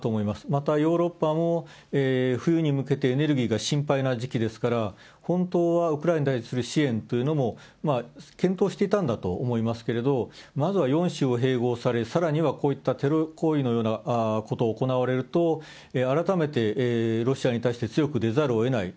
またヨーロッパも、冬に向けてエネルギーが心配な時期ですから、本当はウクライナに対する支援というのも、検討していたんだと思いますけれども、まずは４州を併合され、さらにはこういったテロ行為のようなことを行われると、改めてロシアに対して強く出ざるをえない。